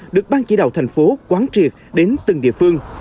được ban chỉ đạo thành phố quán triệt đến từng địa phương